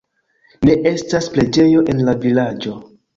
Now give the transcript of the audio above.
Ne estas preĝejo en la vilaĝo.